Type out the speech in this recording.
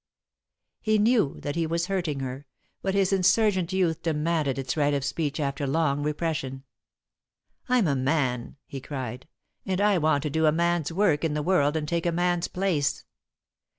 He knew that he was hurting her, but his insurgent youth demanded its right of speech after long repression. "I'm a man," he cried, "and I want to do a man's work in the world and take a man's place.